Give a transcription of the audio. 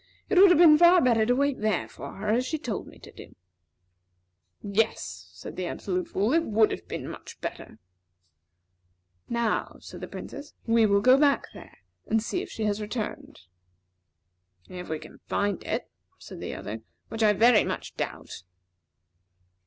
It would have been far better to wait there for her as she told me to do." "Yes," said the Absolute Fool; "it would have been much better." "Now," said the Princess, "we will go back there, and see if she has returned." "If we can find it," said the other, "which I very much doubt."